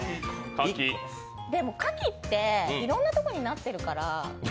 でも柿っていろんなところになってるから。